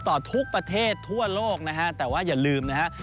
ต่อทุกประเทศทั่วโลกนะฮะแต่ว่าอย่าลืมนะฮะ